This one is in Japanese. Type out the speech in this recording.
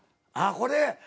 あっこれ。